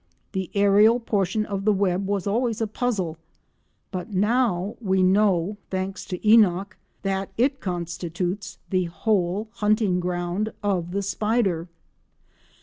The aerial portion of the web was always a puzzle, but now we know, thanks to Enock, that it constitutes the whole hunting ground of the spider.